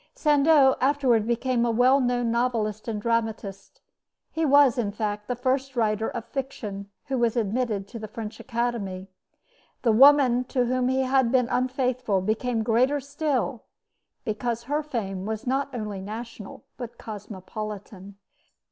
Sandeau afterward became a well known novelist and dramatist. He was, in fact, the first writer of fiction who was admitted to the French Academy. The woman to whom he had been unfaithful became greater still, because her fame was not only national, but cosmopolitan.